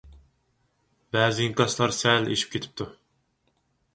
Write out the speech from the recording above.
بەزى ئىنكاسلار سەل ئېشىپ كېتىپتۇ.